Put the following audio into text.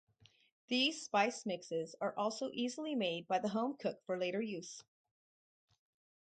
These spice mixes are also easily made by the home cook for later use.